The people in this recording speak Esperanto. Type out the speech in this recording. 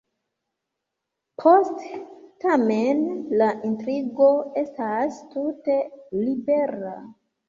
Poste, tamen, la intrigo estas tute libera.